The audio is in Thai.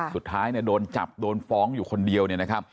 สุดท้ายโดนจับโดนฟ้องอยู่คนเดียว